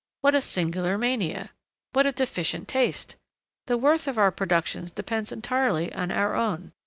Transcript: What a singular mania! What a deficient taste! The worth of our productions depends entirely on our own.